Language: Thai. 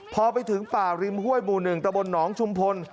พอไปถึงป่าริมห้วยหมู่๑ตะบนหนองชุมพล